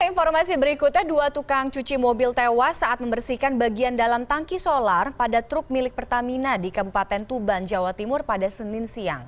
informasi berikutnya dua tukang cuci mobil tewas saat membersihkan bagian dalam tangki solar pada truk milik pertamina di kabupaten tuban jawa timur pada senin siang